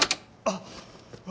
あっ。